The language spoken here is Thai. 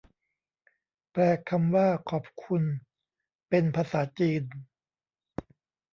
แปลคำว่า ขอบคุณ เป็นภาษาจีน